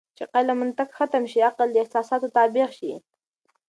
چې کله منطق ختم شي عقل د احساساتو تابع شي.